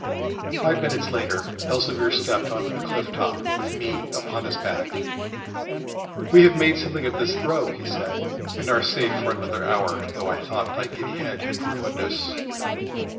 Five minutes later Elzevir stepped on to the cliff top, with me upon his back. 'We have made something of this throw,' he said, 'and are safe for another hour, though I thought thy giddy head had ruined us.'